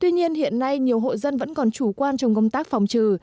tuy nhiên hiện nay nhiều hộ dân vẫn còn chủ quan trong công tác phòng trừ